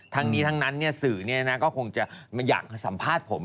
ทั้งนี้ทั้งนั้นสื่อก็คงจะไม่อยากสัมภาษณ์ผม